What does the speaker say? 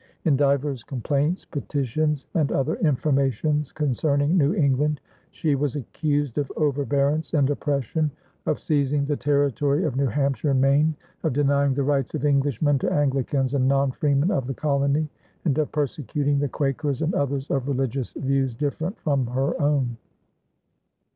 In "divers complaints, petitions, and other informations concerning New England," she was accused of overbearance and oppression, of seizing the territory of New Hampshire and Maine, of denying the rights of Englishmen to Anglicans and non freemen of the colony, and of persecuting the Quakers and others of religious views different from her own.